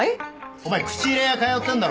お前口入屋通ってんだろ？